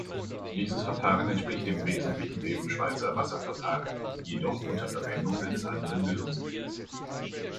Dieses Verfahren entspricht im Wesentlichen dem Schweizer-Wasser-Verfahren, jedoch unter Verwendung eines anderen Lösungsmittels.